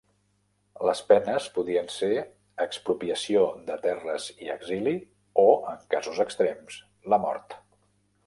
Les penes podien ser: expropiació de terres i exili o, en casos extrems, la mort.